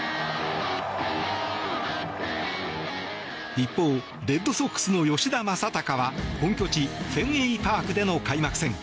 一方、レッドソックスの吉田正尚は本拠地フェンウェイパークでの開幕戦。